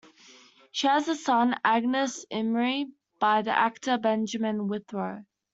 She has a son, Angus Imrie, by the actor Benjamin Whitrow.